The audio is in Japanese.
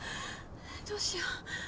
どうしよう。